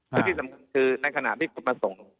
และที่สำคัญคือในขณะที่คุณมาส่ง